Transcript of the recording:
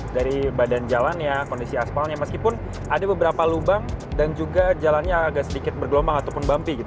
dari badan jalannya kondisi aspalnya meskipun ada beberapa lubang dan juga jalannya agak sedikit bergelombang ataupun bumpy gitu